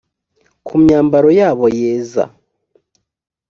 ku myambaro yabo yeza